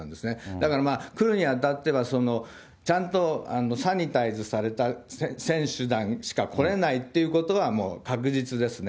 だから、来るにあたっては、ちゃんとサニタイズされた選手団しか来れないっていうことは、もう確実ですね。